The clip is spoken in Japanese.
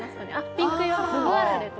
ピンク色の？